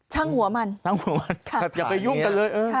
ทั้งหัวมันอย่าไปยุ่งกันเลย